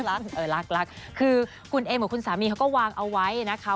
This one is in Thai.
อะไรขนาดนั้นรักคือคุณเอ็มและคุณสามีเขาก็วางเอาไว้นะ